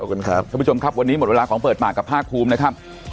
ขอบคุณครับท่านผู้ชมครับวันนี้หมดเวลาของเปิดปากกับภาคภูมินะครับ